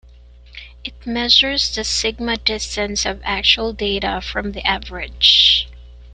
It measures the sigma distance of actual data from the average.